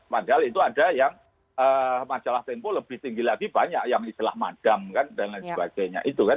padahal itu ada yang majalah tempo lebih tinggi lagi banyak yang istilah madam kan dan lain sebagainya itu kan